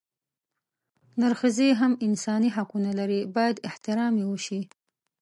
نرښځي هم انساني حقونه لري بايد احترام يې اوشي